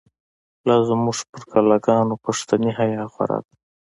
لا زمونږ په کلا گانو، پښتنی حیا خوره ده